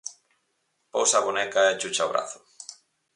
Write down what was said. Pousa a boneca e chucha o brazo.